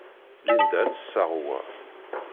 Linda ad d-tseɣ wa.